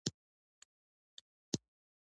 غوړې د مغز د قوت لپاره هم اړینې دي.